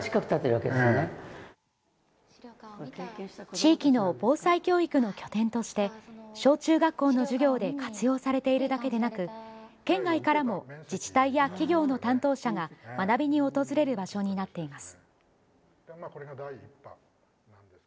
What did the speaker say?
地域の防災教育の拠点として小中学校の授業で活用されているだけでなく県外からも自治体や企業の担当者が学びに訪れる場所になっています。